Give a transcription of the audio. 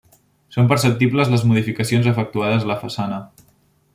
Són perceptibles les modificacions efectuades a la façana.